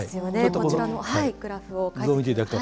こちらのグラフを。